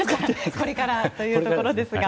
これからというところですが。